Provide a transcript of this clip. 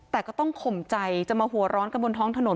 แต่ก็ต้องข่มใจจะมาหัวร้อนกันบนท้องถนน